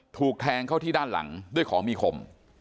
ถูกแทงเข้าที่ด้านหลังด้วยของมีคม